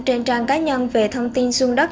trên trang cá nhân về thông tin dung đất